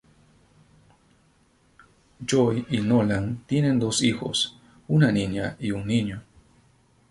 Joy y Nolan tienen dos hijos, una niña y un niño.